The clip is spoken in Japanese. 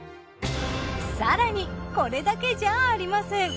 さらにこれだけじゃありません。